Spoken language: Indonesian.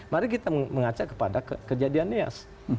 mari kita mengajak kepada kejadian nias